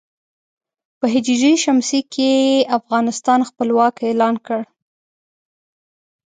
په ه ش کې یې افغانستان خپلواک اعلان کړ.